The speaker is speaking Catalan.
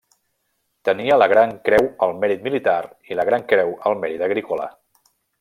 Tenia la Gran Creu al Mèrit Militar i la Gran Creu al Mèrit Agrícola.